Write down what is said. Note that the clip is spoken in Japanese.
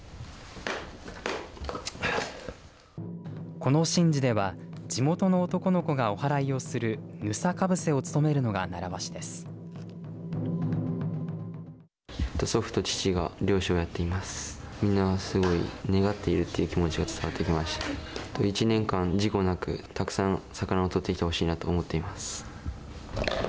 この神事では地元の男の子が、おはらいをするぬさかぶせを務めるのが習わしです。